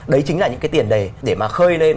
đấy chính là những cái tiền đề để mà khơi lên